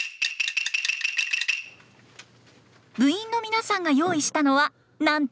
部員の皆さんが用意したのはなんと紙芝居！